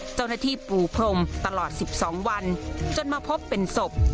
เจ้าหน้าที่ปูพรมตลอด๑๒วันจนมาพบเป็นศพ